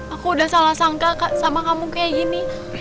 aku udah salah sangka sama kamu kayak gini